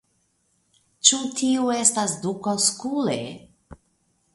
Ĉu tiu estas duko Skule?